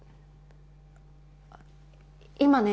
今ね